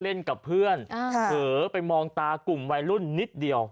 เล่นกับเพื่อนเผลอไปมองตากลุ่มวัยรุ่นนิดเดียว